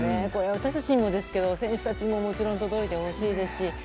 私たちにもですけど選手たちにももちろん届いてほしいですし。